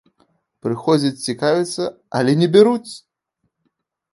Прыходзяць цікавяцца, але не бяруць!